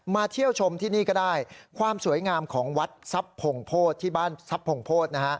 มาเที่ยวชมที่นี่ก็ได้ความสวยงามของวัดที่บ้านทรัพโผงโภษ